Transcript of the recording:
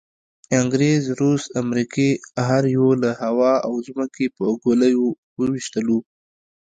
انګریز، روس، امریکې هر یوه له هوا او ځمکې په ګولیو وویشتلو.